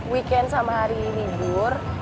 weekend sama hari libur